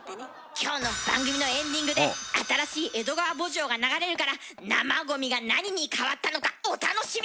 きょうの番組のエンディングで新しい「江戸川慕情」が流れるから「生ゴミ」が何に変わったのかお楽しみに！